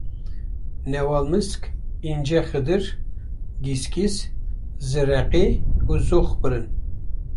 Newalmisk, Încexidir, Gîsgîs, Zireqê û Zoxbirîn